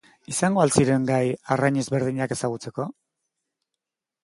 Izango al ziren gai arrain ezberdinak ezagutzeko?